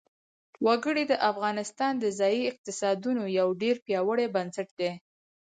وګړي د افغانستان د ځایي اقتصادونو یو ډېر پیاوړی بنسټ دی.